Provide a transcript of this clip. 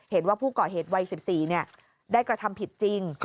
เห็นว่าผู้ก่อเหตุวัย๑๔ได้กระทำผิดจริง